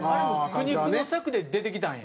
苦肉の策で出てきたんや。